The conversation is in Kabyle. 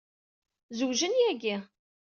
Zewjen yagi.